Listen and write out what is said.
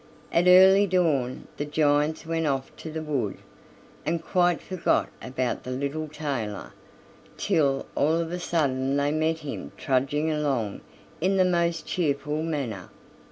At early dawn the giants went off to the wood, and quite forgot about the little tailor, till all of a sudden they met him trudging along in the most cheerful manner.